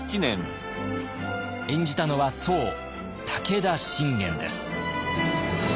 演じたのはそう武田信玄です。